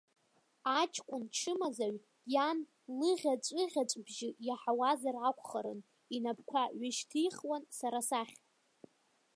Аҷкәын чымазаҩ иан лыӷьаҵәыӷьаҵәбжьы иаҳауазар акәхарын, инапқәа ҩышьҭихуан сара сахь.